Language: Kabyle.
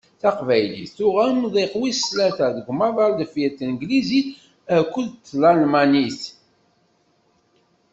Taqbaylit, tuɣ amḍiq wis tlata deg umaḍal deffir n teglizit akked telmanit.